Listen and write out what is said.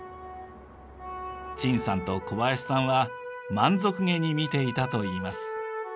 陳さんと小林さんは満足げに見ていたといいます。